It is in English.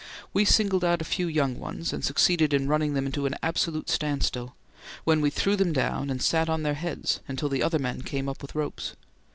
We singled out a few young ones and succeeded in running them to an absolute standstill, when we threw them down and sat on their heads until the other men came up with ropes.